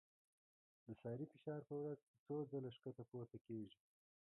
د سارې فشار په ورځ کې څو ځله ښکته پورته کېږي.